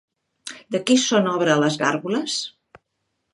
De qui són obra les gàrgoles?